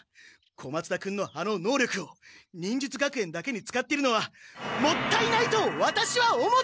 小松田君のあの能力を忍術学園だけに使っているのはもったいないとワタシは思っている！